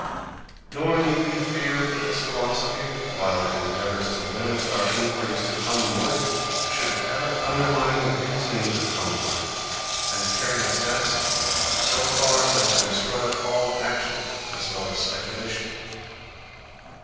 Nor need we fear that this philosophy, while it endeavours to limit our enquiries to common life, should ever undermine the reasonings of common life, and carry its doubts so far as to destroy all action, as well as speculation.